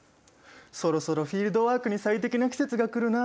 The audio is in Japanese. そろそろフィールドワークに最適な季節が来るな。